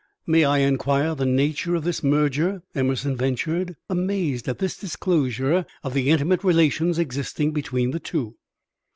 "May I inquire the nature of this merger?" Emerson ventured, amazed at this disclosure of the intimate relations existing between the two.